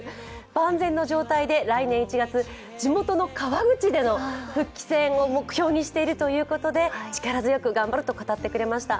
万全の状態で来年１月、地元の川口での復帰戦を目標にしているということで力強く頑張ると語ってくれました。